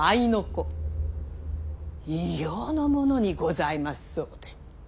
異形のものにございますそうで！